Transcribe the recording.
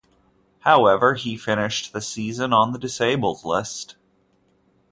However, he finished the season on the disabled list.